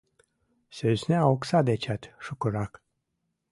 Сӧсна окса дечат шукырак.